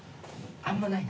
あんまないな。